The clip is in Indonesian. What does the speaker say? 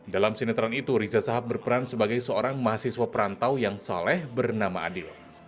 dalam sinetron itu riza sahab berperan sebagai seorang mahasiswa perantau yang saleh bernama adil